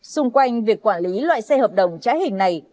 xung quanh việc quản lý loại xe hợp đồng trái hình này